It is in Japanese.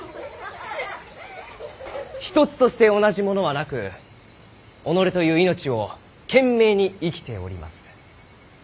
一つとして同じものはなく己という命を懸命に生きております。